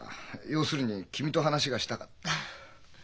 要するに君と話がしたかった。